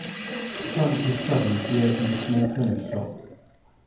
To fund his studies he opened a small chemist shop.